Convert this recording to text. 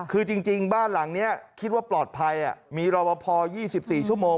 คือจริงบ้านหลังนี้คิดว่าปลอดภัยมีรอบพอ๒๔ชั่วโมง